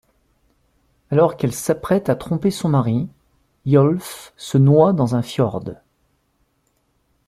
Alors qu'elle s'apprête à tromper son mari, Eyolf se noie dans un fjord.